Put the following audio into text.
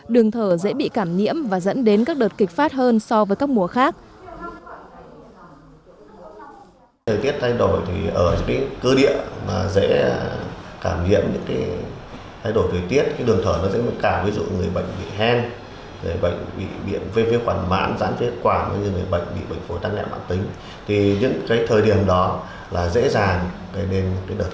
đường thở dễ bị cảm nhiễm và dẫn đến các đợt kịch phát hơn so với các mùa khác